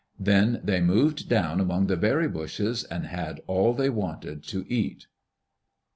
Then they moved down among the berry bushes and had all they wanted to eat.